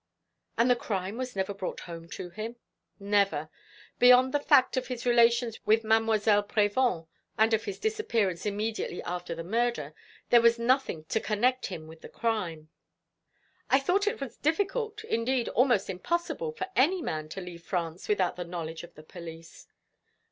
"And the crime was never brought home to him?" "Never. Beyond the fact of his relations with Mademoiselle Prévol, and of his disappearance immediately after the murder, there was nothing to connect him with the crime." "I thought it was difficult, indeed almost impossible, for any man to leave France without the knowledge of the police."